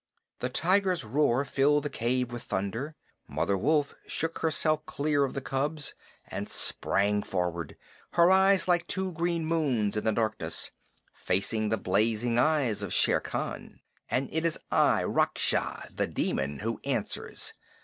The tiger's roar filled the cave with thunder. Mother Wolf shook herself clear of the cubs and sprang forward, her eyes, like two green moons in the darkness, facing the blazing eyes of Shere Khan. "And it is I, Raksha [The Demon], who answers.